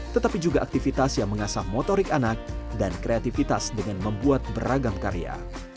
tetapi juga aktivitas yang mengasah motorik anak dan kreativitas dengan membuat beragam karya